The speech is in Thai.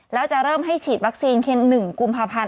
แล้วจะเริ่มให้ฉีดวัคซีนเพียง๑กุมภาพันธ์